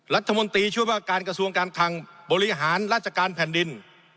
รัฐมนตรีช่วยว่าการกระทรวงการคังบริหารราชการแผ่นดิน